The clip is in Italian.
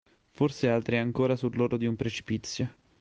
Forse altri ancora sull'orlo di un precipizio.